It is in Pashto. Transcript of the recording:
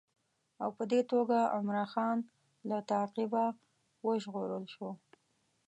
او په دې توګه عمرا خان له تعقیبه وژغورل شو.